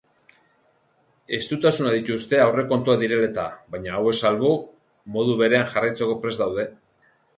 Estutasunak dituzte aurrekontuak direla eta baina hauek salbu modu berean jarraitzeko prest daude.